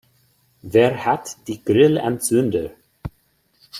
Wer hat die Grillanzünder?